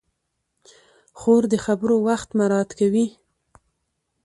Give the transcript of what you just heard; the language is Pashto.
خور د خبرو وخت مراعت کوي.